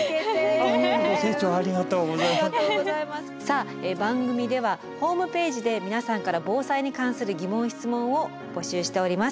さあ番組ではホームページで皆さんから防災に関する「疑問・質問」を募集しております。